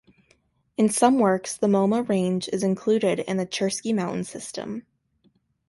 In some works the Moma Range is included in the Chersky mountain system.